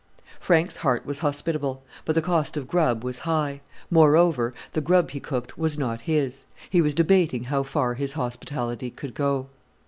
Frank's heart was hospitable; but the cost of grub was high: moreover, the grub he cooked was not his. He was debating how far his hospitality could go.